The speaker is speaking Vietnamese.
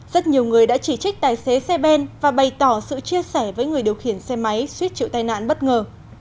rất nhiều người đã chỉ trích tài xế xe ben và bày tỏ sự chia sẻ với người điều khiển xe máy suýt chịu tai nạn bất ngờ